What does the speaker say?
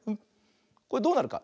これどうなるか。